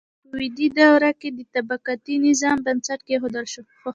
په ویدي دوره کې د طبقاتي نظام بنسټ کیښودل شو.